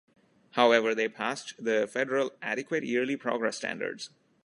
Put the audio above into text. However, they passed the Federal "Adequate Yearly Progress" standards.